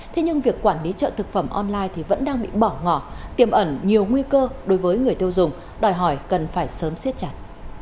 thế nhưng việc quản lý chợ thực phẩm online thì vẫn đang bị bỏ ngỏ tiềm ẩn nhiều nguy cơ đối với người tiêu dùng đòi hỏi cần phải sớm siết chặt